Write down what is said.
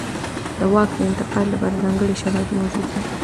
د واک د انتقال لپاره ځانګړي شرایط موجود دي.